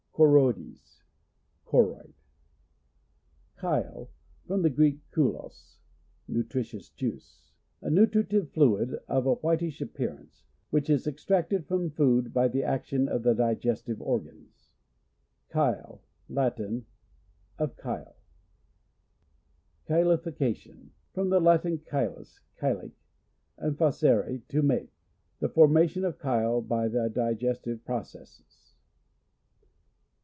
Ciioroides. — Choroid. Chyle. — From the Greek, chulos, nutritious juice. A nutritive fluid of a whitish appearance, which is extracted from food by the action of the digestive organs. Chyli. — Latin. Of Chyle. Ciiyi.ification. — From the Latin, chy lus, chyle, and facere, to make. The formation of chyle by the di gestive processes.